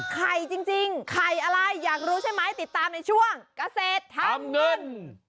จริงไข่อะไรอยากรู้ใช่ไหมติดตามในช่วงเกษตรทำเงิน